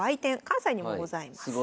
関西にもございます。